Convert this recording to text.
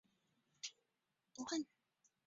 曷言乎罗汉脚也？